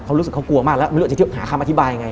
เขารู้สึกเขากลัวมากแล้วไม่รู้จะหาคำอธิบายยังไง